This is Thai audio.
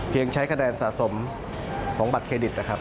ยังใช้คะแนนสะสมของบัตรเครดิตนะครับ